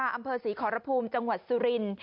อำเภอศรีขรพลจังหวัดซุรินฯ